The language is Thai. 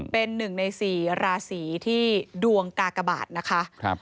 เป็นหนึ่งใน๔ราศีที่ดวงกากบาทนะคะ